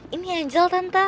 ini angel tante